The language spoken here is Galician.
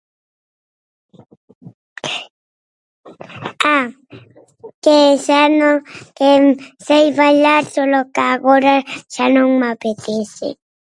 Ah, que xa non, que sei falar solo que agora xa non me apetece.